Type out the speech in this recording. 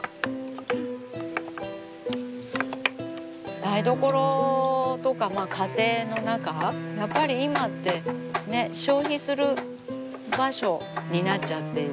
台所とか家庭の中やっぱり今ってね消費する場所になっちゃっている。